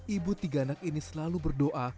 ibu tiga anak ini selalu berdoa